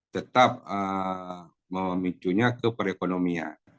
tetap memicunya ke perekonomian